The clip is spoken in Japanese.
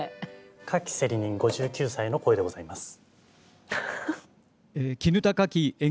花きセリ人５９歳の声でございます。